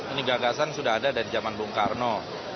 ini gagasan sudah ada dari zaman bung karno